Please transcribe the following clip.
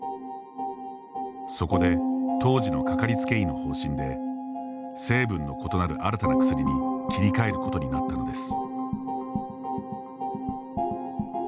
そこで、当時のかかりつけ医の方針で成分の異なる新たな薬に切り替えることになったのです。